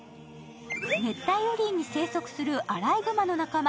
熱帯雨林に生息するアライグマの仲間・